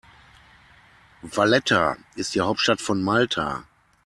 Valletta ist die Hauptstadt von Malta.